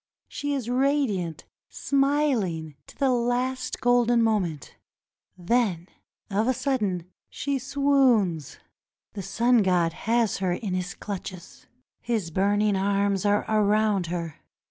She is radiant, smiling, to the last golden moment — then, of a sudden, she swoons. The sun god has her in his clutches. His burning arms are around her.